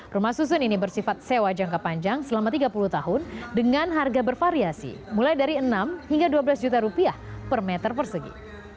rumah susun ini bersifat sewa jangka panjang selama tiga puluh tahun dengan harga bervariasi mulai dari enam hingga dua belas juta rupiah per meter persegi